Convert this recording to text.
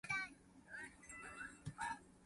欲死無勇氣，欲拚無鬥志